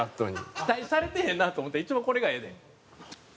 期待されてへんなと思ったら一番これがええで。